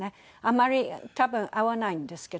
あまり多分合わないんですけど。